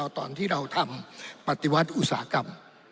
ตอนที่เราทำปฏิวัติอุตสาหกรรม